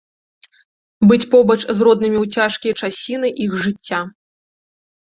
Быць побач з роднымі ў цяжкія часіны іх жыцця.